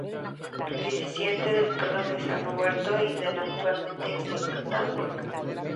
Desciende del perro de San Huberto y del actualmente extinto talbot.